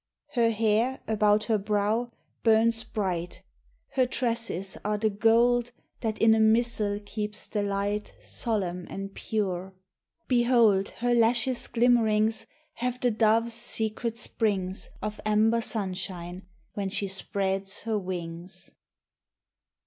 Her h^r, about her brow, bums bright. Her tresses are the gold That in a missal keeps the light Solemn and pure. Behold Her lashes* glimmerings Have the dove*s secret springs Of amber sunshine when she spreads her wings.